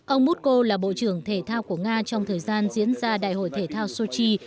ông muko là bộ trưởng thể thao của nga trong thời gian diễn ra đại hội thể thao sochi